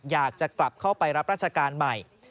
อยากจะกลับเข้าไปรับราชการใหม่